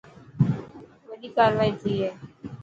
وڏي ڪارورائي ٿي هي.